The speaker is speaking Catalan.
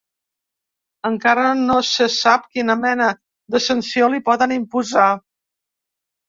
Encara no se sap quina mena de sanció li poden imposar.